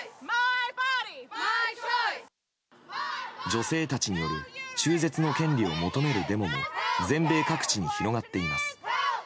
女性たちによる中絶の権利を求めるデモも全米各地に広がっています。